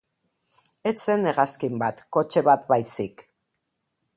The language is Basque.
Ez zen hegazkin bat, kotxe bat baizik.